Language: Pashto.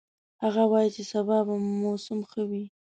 هغه وایي چې سبا به موسم ښه وي